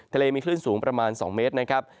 ทะเลมีคลื่นสูงประมาณ๒เมตรนะครับ